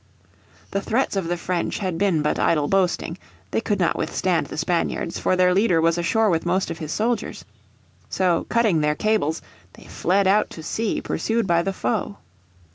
The threats of the French had been but idle boasting; they could not withstand the Spaniards, for their leader was ashore with most of his soldiers. So cutting their cables they fled out to sea pursued by the foe.